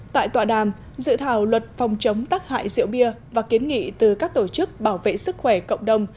tại tọa đàm dự thảo luật phòng chống tắc hại rượu bia và kiến nghị từ các tổ chức bảo vệ sức khỏe cộng đồng